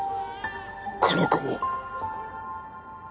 この子も。